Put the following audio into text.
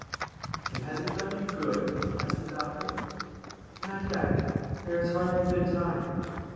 ' And has it done you good ?' asked the doctor. ' Not yet. There has hardly been time.'